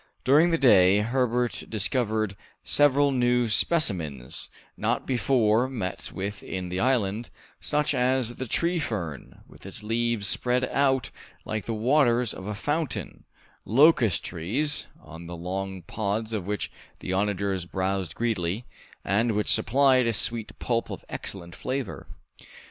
During the day Herbert discovered several new specimens not before met with in the island, such as the tree fern, with its leaves spread out like the waters of a fountain, locust trees, on the long pods of which the onagers browsed greedily, and which supplied a sweet pulp of excellent flavor.